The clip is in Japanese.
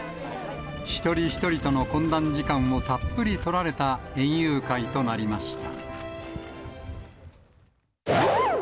一人一人との懇談時間をたっぷり取られた園遊会となりました。